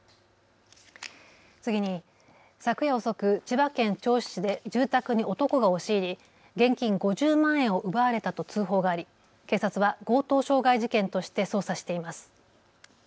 次に昨夜遅く、千葉県銚子市で住宅に男が押し入り現金５０万円を奪われたと通報があり警察は強盗傷害事件として捜査しています。